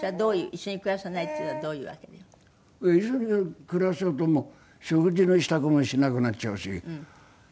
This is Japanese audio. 一緒に暮らしちゃうともう食事の支度もしなくなっちゃうし。